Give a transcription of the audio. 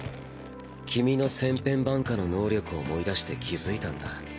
君の千変万化の能力を思い出して気付いたんだ。